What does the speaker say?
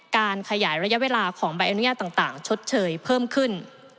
การขยายระยะเวลาของใบอนุญาตต่างชดเชยเพิ่มขึ้น